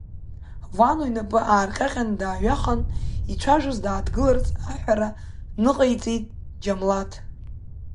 Вано, инапы аарҟьаҟьаны дааҩахан, ицәажәоз дааҭгыларц аҳәара ныҟаиҵеит Џьамлаҭ…